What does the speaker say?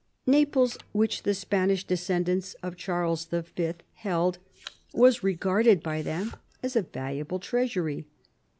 Naples, which the Spanish descendants of Charles V. held, was regarded by them as a valuable treasury.